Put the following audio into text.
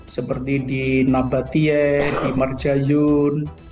seperti di nabatiye di marjayun